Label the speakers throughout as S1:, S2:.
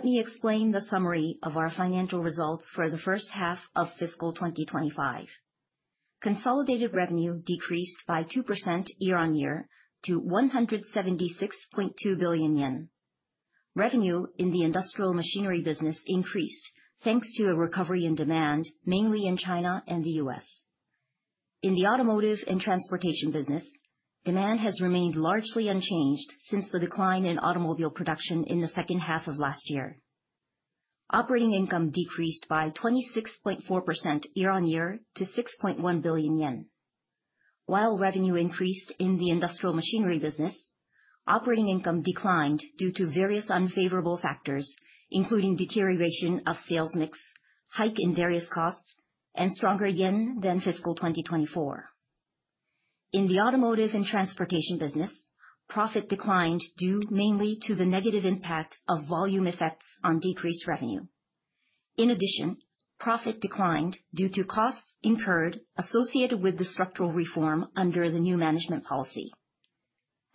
S1: Let me explain the summary of our financial results for the first half of fiscal 2025. Consolidated revenue decreased by 2% year-on-year to 176.2 billion yen. Revenue in the industrial machinery business increased thanks to a recovery in demand, mainly in China and the U.S. In the automotive and transportation business, demand has remained largely unchanged since the decline in automobile production in the second half of last year. Operating income decreased by 26.4% year-on-year to 6.1 billion yen. While revenue increased in the industrial machinery business, operating income declined due to various unfavorable factors, including deterioration of sales mix, hike in various costs, and stronger yen than fiscal 2024. In the automotive and transportation business, profit declined due mainly to the negative impact of volume effects on decreased revenue. In addition, profit declined due to costs incurred associated with the structural reform under the new management policy.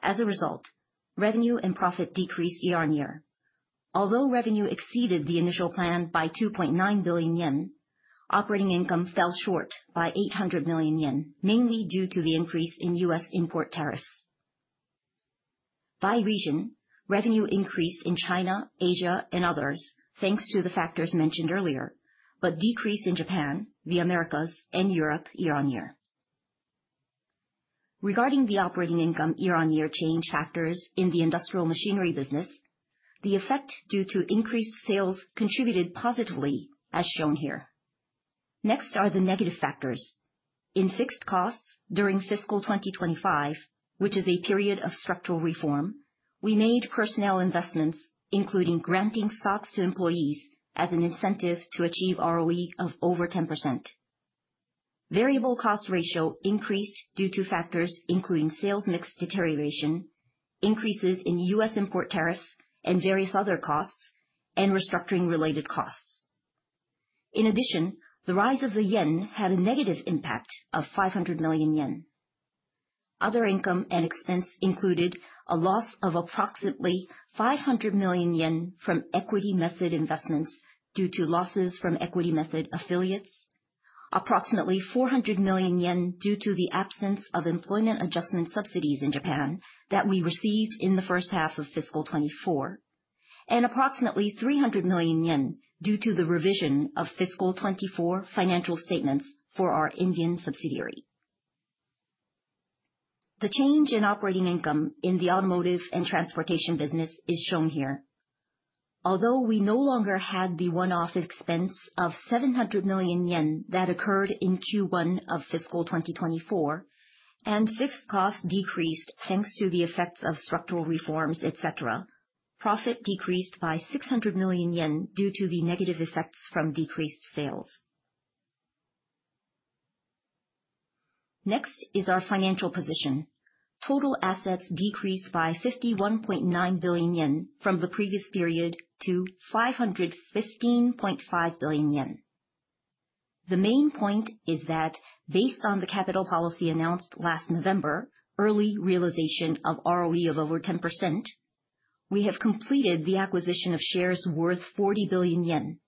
S1: As a result, revenue and profit decreased year-over-year. Although revenue exceeded the initial plan by 2.9 billion yen, operating income fell short by 800 million yen, mainly due to the increase in U.S. import tariffs. By region, revenue increased in China, Asia, and others, thanks to the factors mentioned earlier, but decreased in Japan, the Americas, and Europe year-over-year. Regarding the operating income year-over-year change factors in the industrial machinery business, the effect due to increased sales contributed positively as shown here. Next are the negative factors. In fixed costs during fiscal 2025, which is a period of structural reform, we made personnel investments, including granting stocks to employees as an incentive to achieve ROE of over 10%. Variable cost ratio increased due to factors including sales mix deterioration, increases in U.S. import tariffs and various other costs, and restructuring related costs. In addition, the rise of the yen had a negative impact of 500 million yen. Other income and expense included a loss of approximately 500 million yen from equity method investments due to losses from equity method affiliates. Approximately 400 million yen due to the absence of employment adjustment subsidies in Japan that we received in the first half of fiscal 2024, and approximately 300 million yen due to the revision of fiscal 2024 financial statements for our Indian subsidiary. The change in operating income in the automotive and transportation business is shown here. Although we no longer had the one-off expense of 700 million yen that occurred in Q1 of fiscal 2024, and fixed costs decreased thanks to the effects of structural reforms, et cetera, profit decreased by 600 million yen due to the negative effects from decreased sales. Next is our financial position. Total assets decreased by 51.9 billion yen from the previous period to 515.5 billion yen. The main point is that based on the capital policy announced last November, early realization of ROE of over 10%, we have completed the acquisition of shares worth 40 billion yen.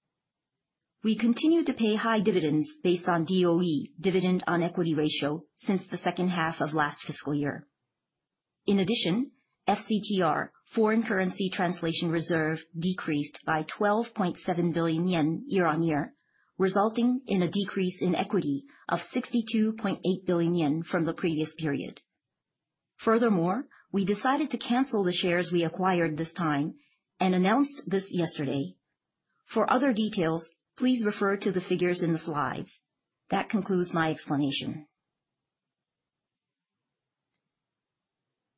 S1: We continue to pay high dividends based on DOE, dividend on equity ratio, since the second half of last fiscal year. In addition, FCTR, foreign currency translation reserve, decreased by 12.7 billion yen year-on-year, resulting in a decrease in equity of 62.8 billion yen from the previous period. Furthermore, we decided to cancel the shares we acquired this time and announced this yesterday. For other details, please refer to the figures in the slides. That concludes my explanation.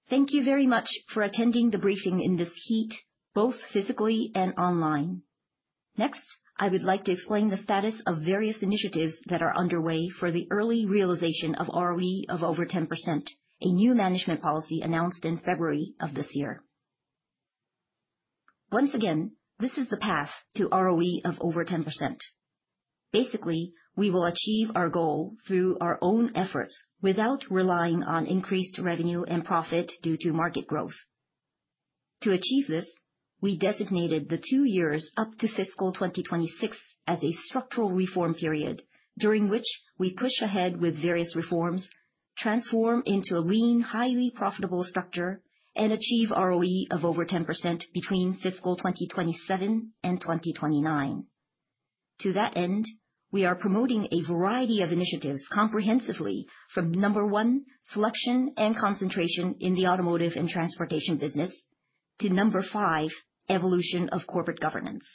S2: Thank you very much for attending the briefing in this heat, both physically and online. Next, I would like to explain the status of various initiatives that are underway for the early realization of ROE of over 10%, a new management policy announced in February of this year. Once again, this is the path to ROE of over 10%. Basically, we will achieve our goal through our own efforts without relying on increased revenue and profit due to market growth. To achieve this, we designated the two years up to fiscal 2026 as a structural reform period, during which we push ahead with various reforms, transform into a lean, highly profitable structure, and achieve ROE of over 10% between fiscal 2027 and 2029. To that end, we are promoting a variety of initiatives comprehensively from number one, selection and concentration in the automotive and transportation business, to number five, evolution of corporate governance.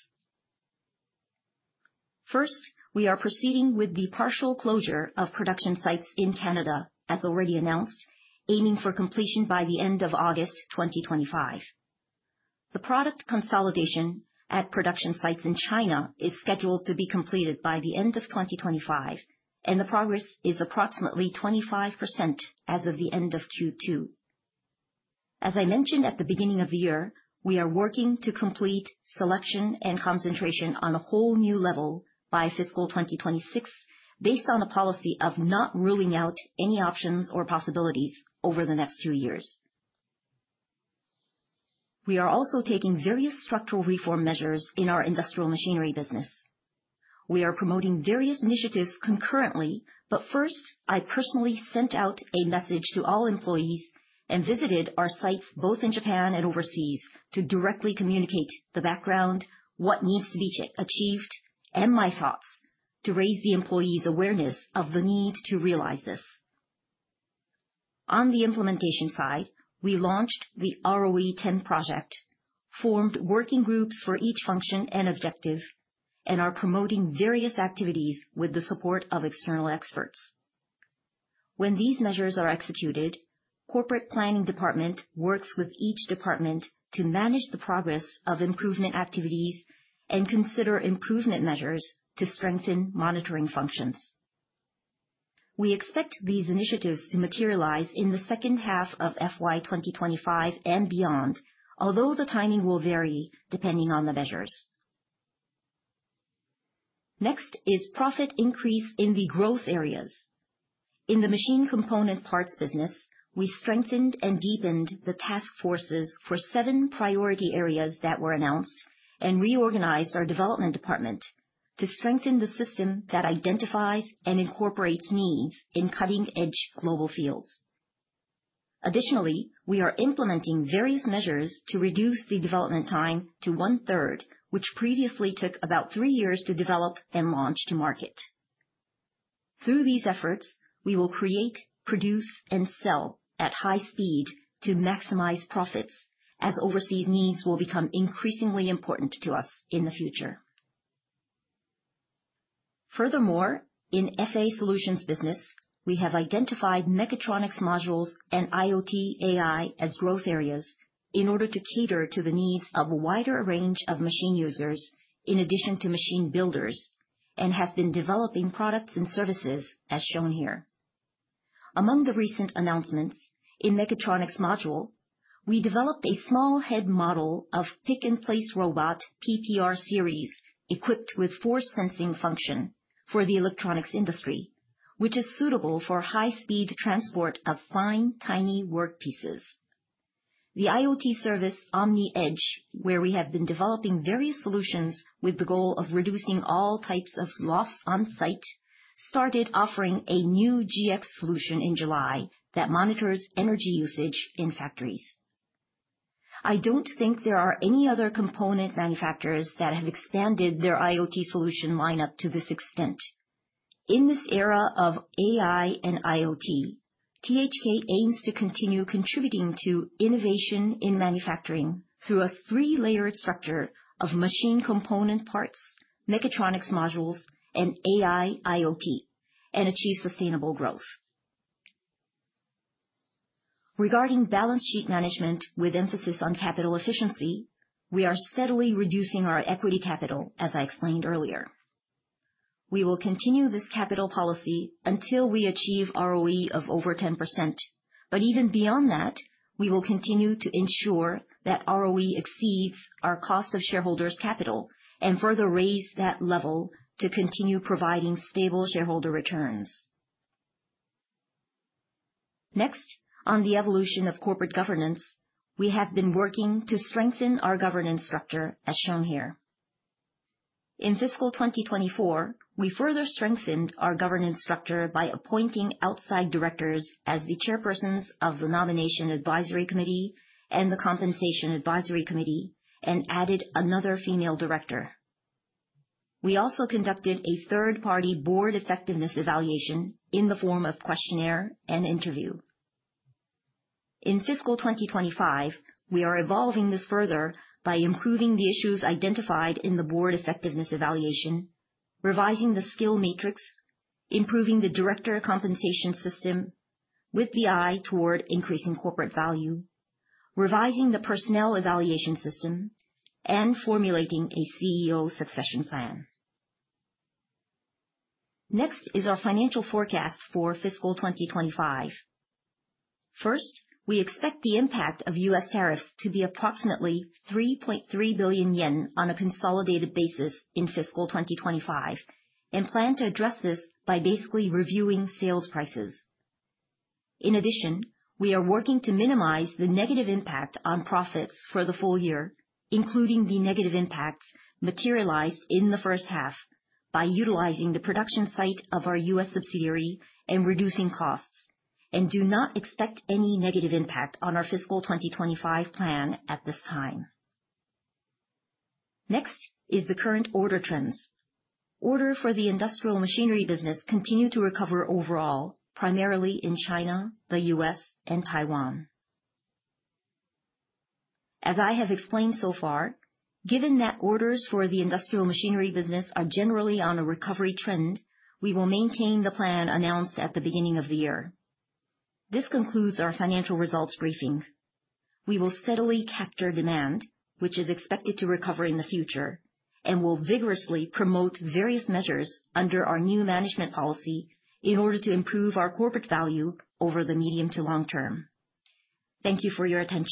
S2: First, we are proceeding with the partial closure of production sites in Canada, as already announced, aiming for completion by the end of August 2025. The product consolidation at production sites in China is scheduled to be completed by the end of 2025, and the progress is approximately 25% as of the end of Q2. As I mentioned at the beginning of the year, we are working to complete selection and concentration on a whole new level by fiscal 2026 based on a policy of not ruling out any options or possibilities over the next two years. We are also taking various structural reform measures in our industrial machinery business. We are promoting various initiatives concurrently. First, I personally sent out a message to all employees and visited our sites both in Japan and overseas to directly communicate the background, what needs to be achieved, and my thoughts to raise the employees' awareness of the need to realize this. On the implementation side, we launched the ROE 10 project, formed working groups for each function and objective, and are promoting various activities with the support of external experts. When these measures are executed, corporate planning department works with each department to manage the progress of improvement activities and consider improvement measures to strengthen monitoring functions. We expect these initiatives to materialize in the second half of FY 2025 and beyond, although the timing will vary depending on the measures. Next is profit increase in the growth areas. In the machine component parts business, we strengthened and deepened the task forces for seven priority areas that were announced and reorganized our development department to strengthen the system that identifies and incorporates needs in cutting-edge global fields. Additionally, we are implementing various measures to reduce the development time to one-third, which previously took about three years to develop and launch to market. Through these efforts, we will create, produce, and sell at high speed to maximize profits, as overseas needs will become increasingly important to us in the future. Furthermore, in FA Solutions business, we have identified Mechatronics Modules and IoT AI as growth areas in order to cater to the needs of a wider range of machine users in addition to machine builders, and have been developing products and services as shown here. Among the recent announcements, in Mechatronics Module, we developed a small head model of pick-and-place robot PPR series equipped with force sensing function for the electronics industry, which is suitable for high-speed transport of fine, tiny work pieces. The IoT service, OMNIedge, where we have been developing various solutions with the goal of reducing all types of loss on-site, started offering a new GX Solution in July that monitors energy usage in factories. I don't think there are any other component manufacturers that have expanded their IoT solution lineup to this extent. In this era of AI and IoT, THK aims to continue contributing to innovation in manufacturing through a three-layered structure of machine component parts, Mechatronics Modules, and AI IoT, and achieve sustainable growth. Regarding balance sheet management with emphasis on capital efficiency, we are steadily reducing our equity capital, as I explained earlier. We will continue this capital policy until we achieve ROE of over 10%. Even beyond that, we will continue to ensure that ROE exceeds our cost of shareholders' capital and further raise that level to continue providing stable shareholder returns. Next, on the evolution of corporate governance, we have been working to strengthen our governance structure as shown here. In fiscal 2024, we further strengthened our governance structure by appointing outside directors as the chairpersons of the nomination advisory committee and the compensation advisory committee and added another female director. We also conducted a third-party board effectiveness evaluation in the form of questionnaire and interview. In fiscal 2025, we are evolving this further by improving the issues identified in the board effectiveness evaluation, revising the skill matrix, improving the director compensation system with an eye toward increasing corporate value, revising the personnel evaluation system, and formulating a CEO succession plan. Next is our financial forecast for fiscal 2025. First, we expect the impact of U.S. tariffs to be approximately 3.3 billion yen on a consolidated basis in fiscal 2025 and plan to address this by basically reviewing sales prices. In addition, we are working to minimize the negative impact on profits for the full year, including the negative impacts materialized in the first half by utilizing the production site of our U.S. subsidiary and reducing costs, and do not expect any negative impact on our fiscal 2025 plan at this time. Next is the current order trends. Orders for the industrial machinery business continue to recover overall, primarily in China, the U.S., and Taiwan. As I have explained so far, given that orders for the industrial machinery business are generally on a recovery trend, we will maintain the plan announced at the beginning of the year. This concludes our financial results briefing. We will steadily capture demand, which is expected to recover in the future, and will vigorously promote various measures under our new management policy in order to improve our corporate value over the medium to long term. Thank you for your attention.